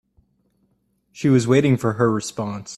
She was waiting for her response.